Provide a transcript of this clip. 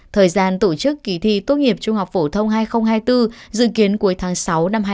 thời gian tổ chức kỳ thi tốt nghiệp trung học phổ thông hai nghìn hai mươi bốn dự kiến cuối tháng sáu năm hai nghìn hai mươi bốn